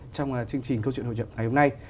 trong chương trình câu chuyện hội nhập ngày hôm nay